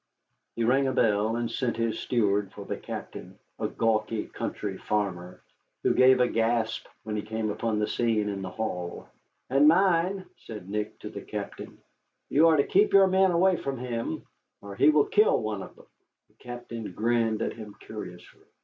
He rang a bell and sent his steward for the captain, a gawky country farmer, who gave a gasp when he came upon the scene in the hall. "And mind," said Nick to the captain, "you are to keep your men away from him, or he will kill one of them." The captain grinned at him curiously.